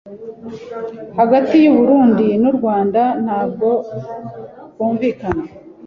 hagati y'u burundi n'u rwanda ntabwo bumvikana